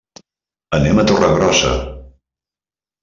Anem a Torregrossa.